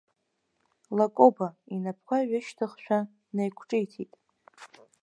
Лакоба, инапқәа ҩышьҭыхшәа, наиқәҿиҭит.